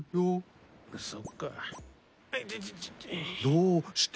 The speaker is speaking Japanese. どうして。